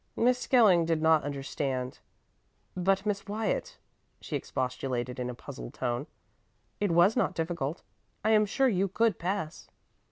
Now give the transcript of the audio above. Miss Skelling did not understand. "But, Miss Wyatt," she expostulated in a puzzled tone, "it was not difficult. I am sure you could pass."